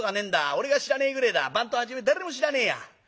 俺が知らねえぐれえだ番頭はじめ誰も知らねえや。